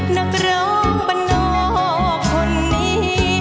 นักร้องบ้านหน้าคนนี้